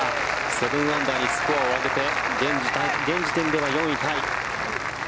７アンダーにスコアを上げて現時点では４位タイ。